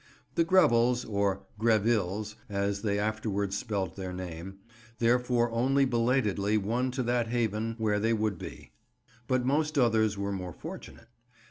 The Grevels—or "Grevilles," as they afterwards spelt their name—therefore only belatedly won to that haven where they would be; but most others were more fortunate.